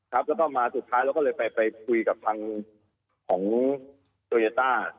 ครับแล้วก็มาสุดท้ายเราก็เลยไปคุยกับทางของโตโยต้า